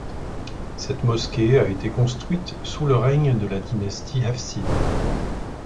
Cette mosquée a été construite sous le règne de la dynastie hafside.